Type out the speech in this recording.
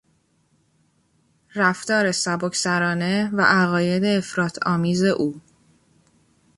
رفتار سبک سرانه و عقاید افراط آمیز او